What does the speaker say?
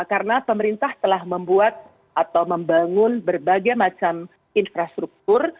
karena pemerintah telah membuat atau membangun berbagai macam infrastruktur